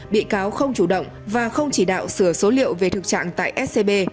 bị cáo không chủ động và không chỉ đạo sửa số liệu về thực trạng tại scb